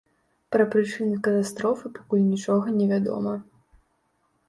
Пра прычыны катастрофы пакуль нічога невядома.